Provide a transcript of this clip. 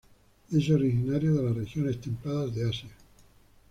Es originario de las regiones templadas de asia.